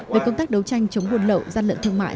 về công tác đấu tranh chống buôn lậu gian lận thương mại